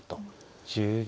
１０秒。